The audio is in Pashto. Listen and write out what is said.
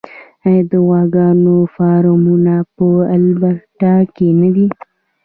آیا د غواګانو فارمونه په البرټا کې نه دي؟